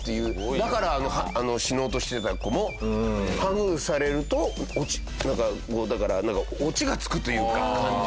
だから死のうとしてた子もハグされるとオチが付くというか感情に。